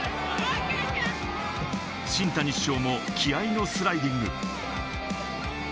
新谷主将も気合いのスライディング。